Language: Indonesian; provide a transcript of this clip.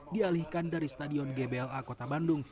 dialihkan dari stadion gbl a kota bandung